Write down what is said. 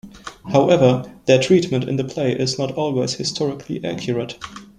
However, their treatment in the play is not always historically accurate.